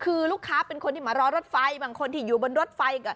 คือลูกค้าเป็นคนที่มารอรถไฟบางคนที่อยู่บนรถไฟ